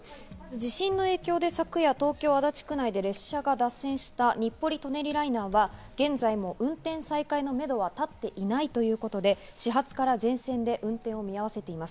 地震の影響で昨夜、東京・足立区内で列車が脱線した日暮里・舎人ライナーは現在も運転再開のめどは立っていないということで、始発から全線で運転を見合わせています。